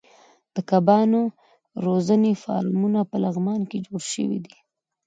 د کبانو روزنې فارمونه په لغمان کې جوړ شوي دي.